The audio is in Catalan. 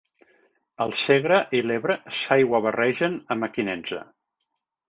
El Segre i l'Ebre s'aiguabarregen a Mequinensa.